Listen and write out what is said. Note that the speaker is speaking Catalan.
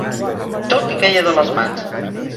Tot li queia de les mans.